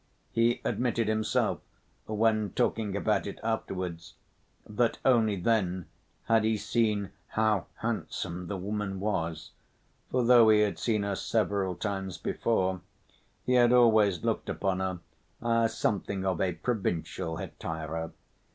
He admitted himself, when talking about it afterwards, that only then had he seen "how handsome the woman was," for, though he had seen her several times before, he had always looked upon her as something of a "provincial hetaira."